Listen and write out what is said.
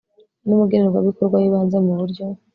n umugenerwabikorwa w ibanze mu buryo